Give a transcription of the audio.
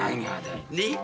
ねっ？